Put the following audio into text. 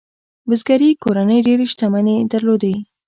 بزګري کورنۍ ډېرې شتمنۍ درلودې.